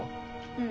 うん。